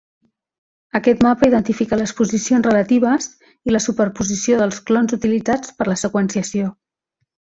Aquest mapa identifica les posicions relatives i la superposició dels clons utilitzats per a la seqüenciació.